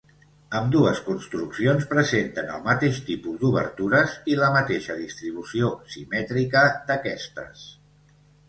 Ambdues construccions presenten el mateix tipus d'obertures i la mateixa distribució simètrica d'aquestes.